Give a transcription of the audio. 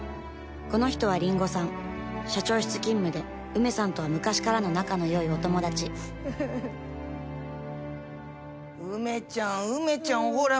この人はりんごさん社長室勤務でウメさんとは昔からの仲の良いお友達ウメちゃんウメちゃんほら見て。